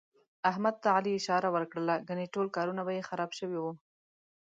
احمد ته علي اشاره ور کړله، ګني ټول کارونه به یې خراب شوي وو.